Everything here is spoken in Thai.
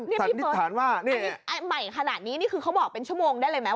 นี่พี่เฟิร์ชสันนิทฐานว่านี่อันใหม่ขนาดนี้นี่คือเขาบอกเป็นชั่วโมงได้เลยไหม